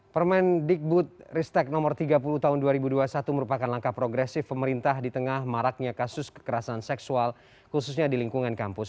permendikbud ristek nomor tiga puluh tahun dua ribu dua puluh satu merupakan langkah progresif pemerintah di tengah maraknya kasus kekerasan seksual khususnya di lingkungan kampus